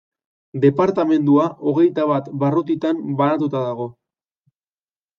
Departamendua hogeita bat barrutitan banatuta dago.